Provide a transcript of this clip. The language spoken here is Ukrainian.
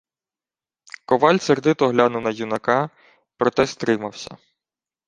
Коваль сердито глянув на юнака, проте стримався: